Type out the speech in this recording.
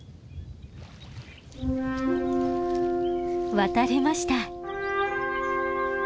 渡れました。